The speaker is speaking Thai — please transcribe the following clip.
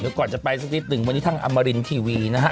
เดี๋ยวก่อนจะไปสักนิดหนึ่งวันนี้ทางอมรินทีวีนะฮะ